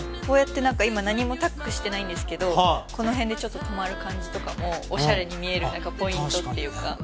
こうやって何か今何もタックしてないんですけどこの辺でちょっと止まる感じとかもオシャレに見えるポイントっていうか